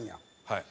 はい。